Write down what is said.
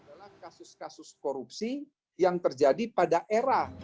adalah kasus kasus korupsi yang terjadi pada era